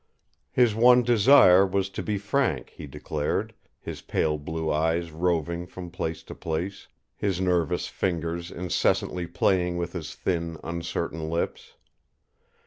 His one desire was to be frank, he declared, his pale blue eyes roving from place to place, his nervous fingers incessantly playing with his thin, uncertain lips.